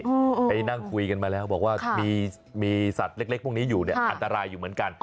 ก็ไปนั่งคุยกันมาแล้วบอกว่ามีสัตว์เล็กต่างอันตรายอยู่เหมือนกัน